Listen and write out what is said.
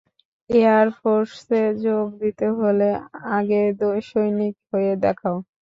এয়ারফোর্সে যোগ দিতে হলে, আগে সৈনিক হয়ে দেখাও।